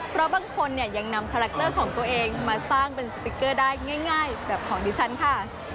เพราะบางคนเนี่ยยังนำคาแรคเตอร์ของตัวเองมาสร้างเป็นสติ๊กเกอร์ได้ง่ายแบบของดิฉันค่ะ